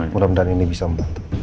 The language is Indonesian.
mudah mudahan ini bisa membantu